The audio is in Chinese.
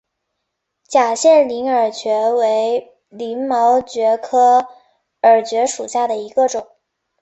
假线鳞耳蕨为鳞毛蕨科耳蕨属下的一个种。